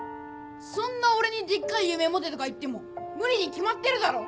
そんな俺にデッカい夢持てとか言っても無理に決まってるだろ。